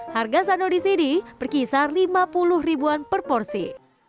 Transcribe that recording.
harga sandow di sini berkisar lima puluh ribuan per porsi